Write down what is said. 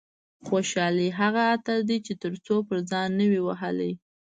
خوشحالي هغه عطر دي چې تر څو پر ځان نه وي وهلي.